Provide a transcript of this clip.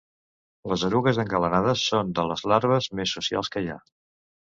Les erugues engalanades son de les larves més socials que hi ha.